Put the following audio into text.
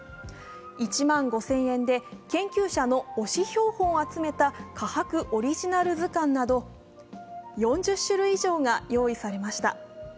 １万５０００円で研究者の推し標本を集めた「かはくオリジナル図鑑」など４０種類以上が用意されました。